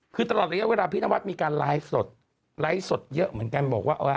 คือตลอดเวลาพี่นวัดมีการไลฟ์สดเยอะเหมือนกันบอกว่า